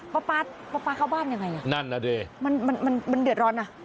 หายแล้วปลาปลาเข้าบ้านยังไงมันเดือดร้อน